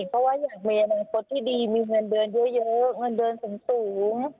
เพราะว่าอยากมีนังคตดีมีเงินเดินเยอะเงินเดินสมูง